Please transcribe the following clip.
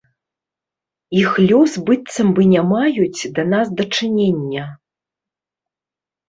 Іх лёс быццам бы не маюць да нас дачынення.